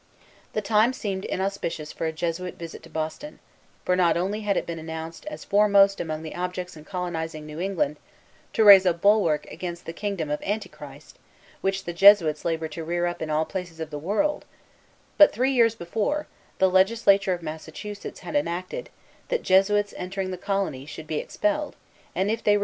The time seemed inauspicious for a Jesuit visit to Boston; for not only had it been announced as foremost among the objects in colonizing New England, "to raise a bulwark against the kingdom of Antichrist, which the Jesuits labor to rear up in all places of the world," but, three years before, the Legislature of Massachusetts had enacted, that Jesuits entering the colony should be expelled, and, if they returned, hanged.